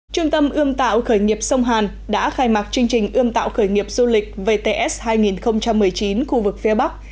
trung tâm ươm tạo khởi nghiệp sông hàn đã khai mạc chương trình ươm tạo khởi nghiệp du lịch vts hai nghìn một mươi chín khu vực phía bắc